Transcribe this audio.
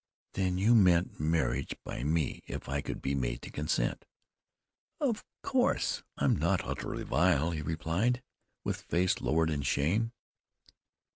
"Then you meant marriage by me, if I could be made to consent?" "Of course. I'm not utterly vile," he replied, with face lowered in shame.